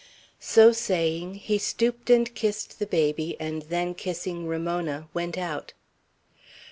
So saying, he stooped and kissed the baby, and then kissing Ramona, went out.